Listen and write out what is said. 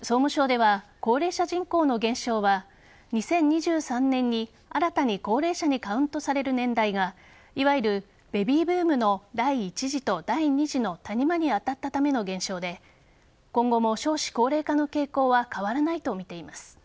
総務省では、高齢者人口の減少は２０２３年に、新たに高齢者にカウントされる年代がいわゆるベビーブームの第１次と第２次の谷間に当たったための現象で今後も少子高齢化の傾向は変わらないと見ています。